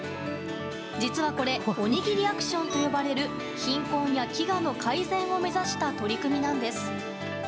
実は、これおにぎりアクションと呼ばれる貧困や飢餓の改善を目指した取り組みなんです。